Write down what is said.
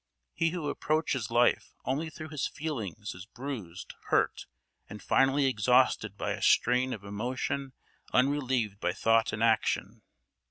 He who approaches life only through his feelings is bruised, hurt, and finally exhausted by a strain of emotion unrelieved by thought and action.